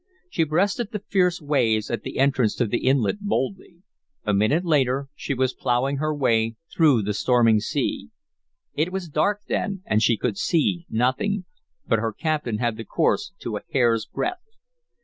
She breasted the fierce waves at the entrance to the inlet boldly. A minute later she was plowing her way through the storming sea. It was dark then and she could see nothing; but her captain had the course to a hair's breadth.